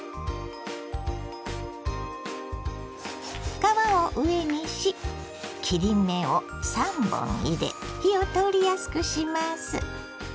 皮を上にし切り目を３本入れ火を通りやすくします。